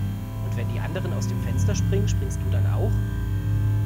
Und wenn die anderen aus dem Fenster springen, springst du dann auch?